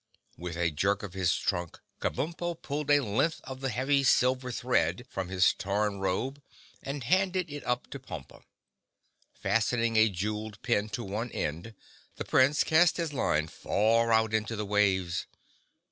With a jerk of his trunk, Kabumpo pulled a length of the heavy silver thread from his torn robe and handed it up to Pompa. Fastening a jeweled pin to one end, the Prince cast his line far out into the waves.